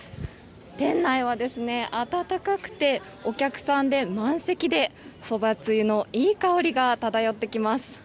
店内は暖かくてお客さんで満席でそばつゆのいい香りが漂ってきます。